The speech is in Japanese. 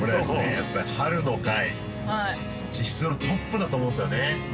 やっぱり「春の会」実質のトップだと思うんすよね